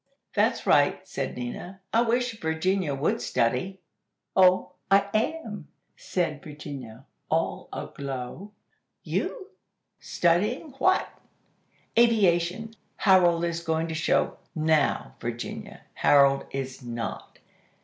"That's right," said Nina. "I wish Virginia would study." "Oh, I am!" said Virginia, all aglow. "You? Studying what?" "Aviation! Harold is going to show " "Now, Virginia, Harold is _not!